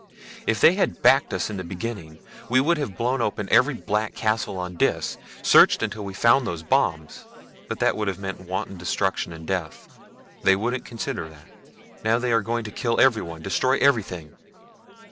If they had backed us in the beginning we would have blown open every black castle on Dis, searched until we found those bombs. But that would have meant wanton destruction and death. They wouldn't consider that. Now they are going to kill everyone, destroy everything."